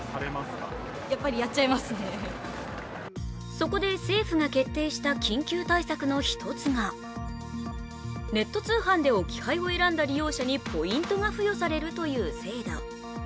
そこで、政府が決定した緊急対策の１つがネット通販で置き配を選んだ利用者にポイントが付与されるという制度。